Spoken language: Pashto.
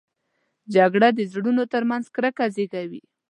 جګړه د زړونو تر منځ کرکه زېږوي